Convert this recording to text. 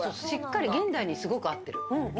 しっかり現代にすごく合ってる。